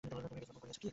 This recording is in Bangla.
তুমি বীজ বপন করেছ?